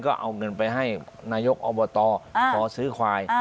ก็เอาเงินไปให้นายกอบตขอซื้อควาย